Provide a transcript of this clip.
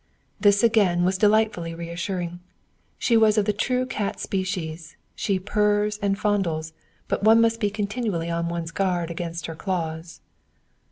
This again was delightfully reassuring! She was of the true cat species she purrs and fondles, but one must be continually on one's guard against her claws.